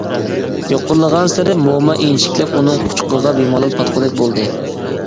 يۇقىرىلىغانسېرى موما ئىنچىكىلەپ ئۇنىڭ قۇچىقىغا بىمالال پاتقۇدەك بولدى.